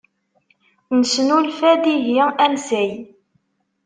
Nesnulfa-d ihi ansay.